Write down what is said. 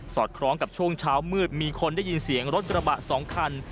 อดคล้องกับช่วงเช้ามืดมีคนได้ยินเสียงรถกระบะ๒คัน